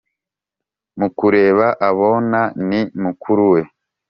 mukureba abona ni mukuruwe